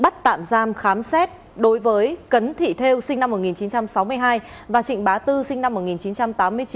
bắt tạm giam khám xét đối với cấn thị theo sinh năm một nghìn chín trăm sáu mươi hai và trịnh bá tư sinh năm một nghìn chín trăm tám mươi chín